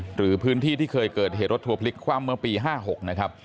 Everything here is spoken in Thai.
หรือพื้นที่ที่เคยเกิดเหตุรถทัวร์พลิกคว่ำเมื่อปี๕๖นะครับ